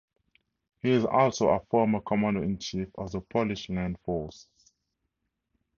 He is also a former commander-in-chief of the Polish Land Forces.